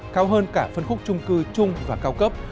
cao hơn cả phân khúc trung cư chung và cao cấp